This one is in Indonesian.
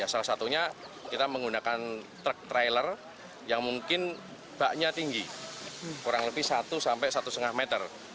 salah satunya kita menggunakan truk trailer yang mungkin baknya tinggi kurang lebih satu sampai satu lima meter